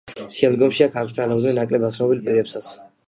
შემდგომში აქ კრძალავდნენ ნაკლებად ცნობილ პირებსაც.